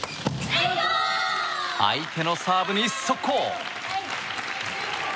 相手のサーブに速攻！